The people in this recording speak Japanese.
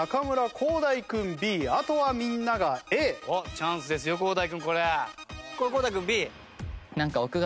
チャンスですよ浩大君これ。